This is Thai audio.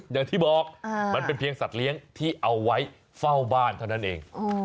อย่างที่บอกมันเป็นเพียงสัตว์เลี้ยงที่เอาไว้เฝ้าบ้านเท่านั้นเอง